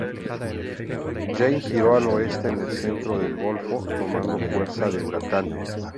Jeanne giró al oeste en el centro del golfo, tomando fuerza de huracán.